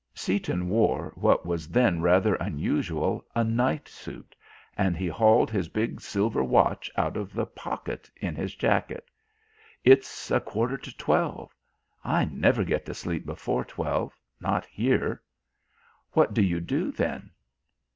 Seaton wore, what was then rather unusual, a night suit, and he hauled his big silver watch out of the pocket in his jacket. "It's a quarter to twelve. I never get to sleep before twelve not here." "What do you do, then?"